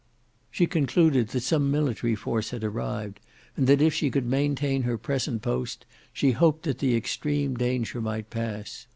She concluded that some military force had arrived, and that if she could maintain her present post, she hoped that the extreme danger might pass.